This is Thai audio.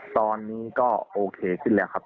ตอนนี้ก็โอเคขึ้นแล้วครับ